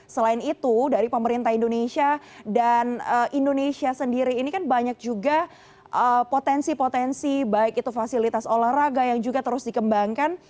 selain itu dari pemerintah indonesia dan indonesia sendiri ini kan banyak juga potensi potensi baik itu fasilitas olahraga yang juga terus dikembangkan